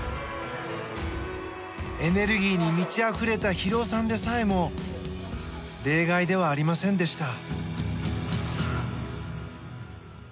エネルギーに満ちあふれた博男さんでさえも例外ではありませんでした。